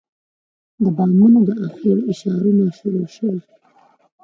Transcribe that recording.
د بامونو د اخېړ اشارونه شروع شول.